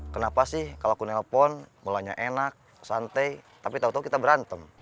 kenapa sih kalau aku nelpon mulanya enak santai tapi tau tau kita berantem